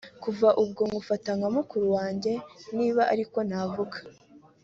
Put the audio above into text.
Kuva ubwo nkufata nka mukuru wanjye niba ariko navuga